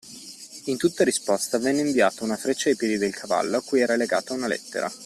In tutta risposta, venne inviata una freccia ai piedi del cavallo, a cui era legata una lettera.